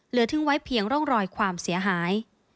ทิ้งไว้เพียงร่องรอยความเสียหาย